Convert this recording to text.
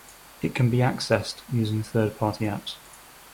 It can be accessed using third party apps.